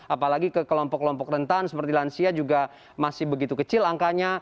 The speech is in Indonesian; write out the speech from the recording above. apalagi ke kelompok kelompok rentan seperti lansia juga masih begitu kecil angkanya